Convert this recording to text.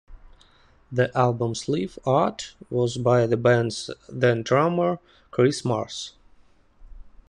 The album sleeve art was by the band's then-drummer, Chris Mars.